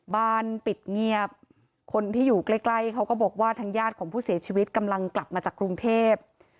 บ้านปิดเงียบคนที่อยู่ใกล้เขาก็บอกว่าทางญาติของผู้เสียชีวิตกำลังกลับมาจากกรุงเทพ